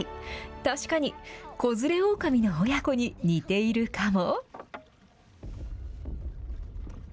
確かに子連れ狼の親子に似ているかも。